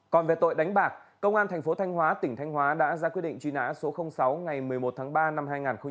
còn về tội đánh bạc công an thành phố thanh hóa tỉnh thanh hóa đã ra quyết định truy nã số sáu ngày một mươi một tháng ba năm hai nghìn một mươi chín